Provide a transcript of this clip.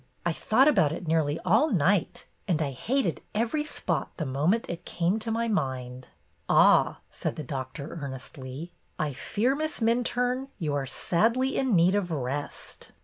I thought about it nearly all night, and I hated every spot the moment it came to my mind." "Ah!" said the Doctor, earnestly. "I fear. Miss Minturne, you are sadly in need of rest.